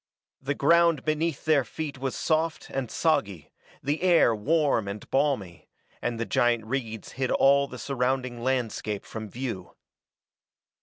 The ground beneath their feet was soft and soggy, the air warm and balmy, and the giant reeds hid all the surrounding landscape from view.